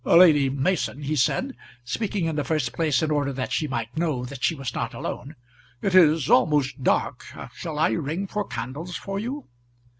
"Lady Mason," he said, speaking, in the first place, in order that she might know that she was not alone, "it is almost dark; shall I ring for candles for you?"